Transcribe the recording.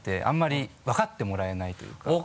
あんまり分かってもらえないというか。